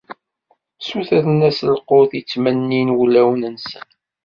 Ssutren-as lqut i ttmennin wulawen-nsen.